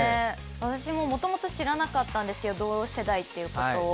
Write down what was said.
私ももともと知らなかったんですけど同世代ってことを。